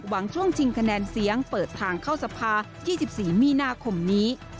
ช่วงชิงคะแนนเสียงเปิดทางเข้าสภา๒๔มีนาคมนี้